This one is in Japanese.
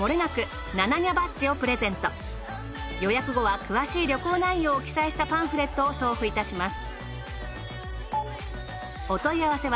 予約後は詳しい旅行内容を記載したパンフレットを送付いたします。